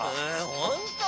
ほんとう？